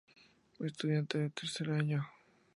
Estudiante de tercer año.